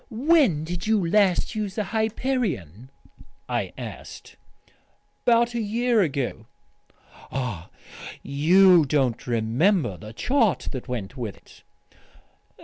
"When did you last use the Hyperion?" I asked. "About a year ago." "Ah!... You don't remember the chart that went with it?"